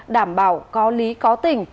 đảm bảo có lý có tình